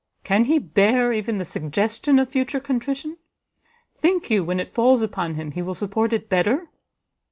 can he bear even the suggestion of future contrition! Think you when it falls upon him, he will support it better?